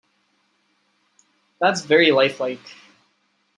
That's very lifelike.